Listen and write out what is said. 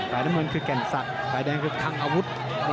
ฝ่ายน้ำมือคือแก่นสัตว์ฝ่ายแดงคือทางอาวุธ